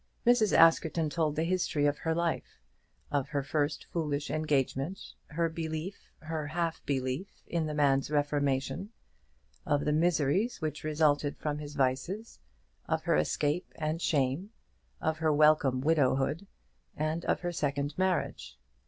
Mrs. Askerton told the history of her life, of her first foolish engagement, her belief, her half belief, in the man's reformation, of the miseries which resulted from his vices, of her escape and shame, of her welcome widowhood, and of her second marriage.